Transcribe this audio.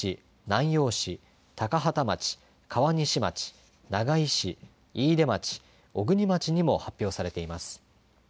南陽市高畠町、川西町長井市、飯豊町小国町にも発表されています。